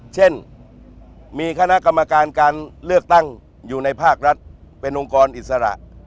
เช่นมีคณะกรรมการการเลือกตั้งอยู่ในภาครัฐเป็นองค์กรอิสระ